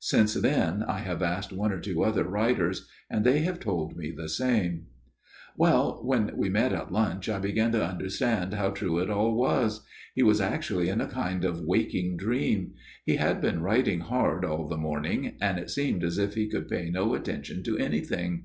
Since then I have asked one or two other writers, and they have told me the same. 226 A MIRROR OF SHALOTT " Well, when we met at lunch I began to understand how true it all was. He was actually in a kind of waking dream ; he had been writing hard all the morning, and it seemed as if he could pay no attention to anything.